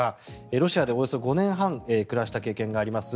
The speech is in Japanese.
ロシアでおよそ５年半暮らした経験があります